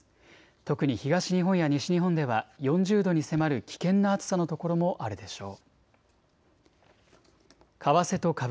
特に東日本や西日本では４０度に迫る危険な暑さの所もあるでしょう。